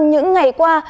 những ngày qua